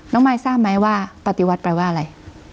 มายทราบไหมว่าปฏิวัติแปลว่าอะไร